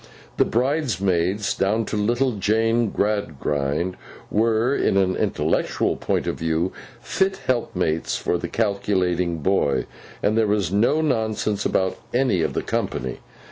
The bridesmaids, down to little Jane Gradgrind, were, in an intellectual point of view, fit helpmates for the calculating boy; and there was no nonsense about any of the company.